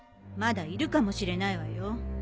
まだいるかもしれないわよ。